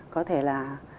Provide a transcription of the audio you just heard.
có thể là